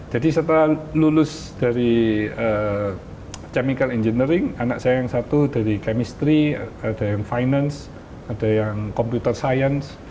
jadi setelah lulus dari chemical engineering anak saya yang satu dari chemistry ada yang finance ada yang computer science